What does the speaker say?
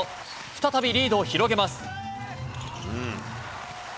再びリードを広げます。